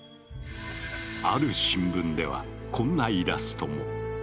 ある新聞ではこんなイラストも。